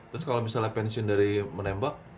terus kalau misalnya pensiun dari menembak